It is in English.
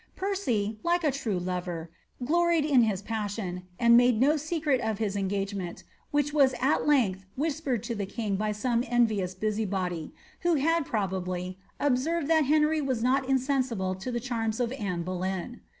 Percy, like a true lover, gloried in his passion, and made no secret of his engagement, which was at length whispered to the king by some envious busybody, who had, probably, observed that Henry was not in sensible to the charms of Anne Boleyn.